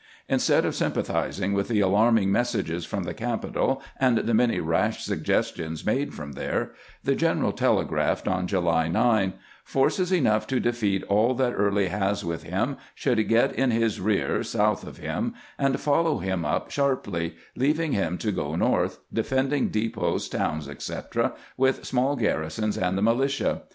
Instead of sympathiz ing with the alarming messages from the capital and the many rash suggestions made from there, the general telegraphed on July 9 :" Forces enough to defeat all that Early has with him should get in his rear, south of him, and follow him up sharply, leaving him to go north, defending depots, towns, etc., with small garri sons and the militia.